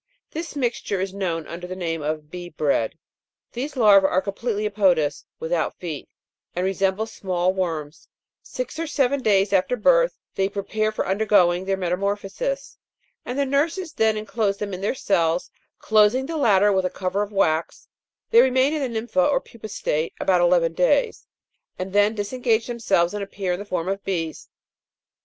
This mixture is known under the name of bee bread. 11. These larvse are completely apodous, without feet, and resemble small worms ; six or seven days after birth, they pre pare for undergoing their metamorphosis, and the nurses then enclose them in their cells, closing the latter with a cover of wax ; they remain in the nympha or pupa state about eleven days, and then disengage themselves and appear in the form of bees.